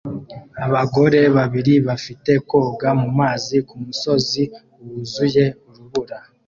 Abagore babiri bafite koga mumazi kumusozi wuzuye urubura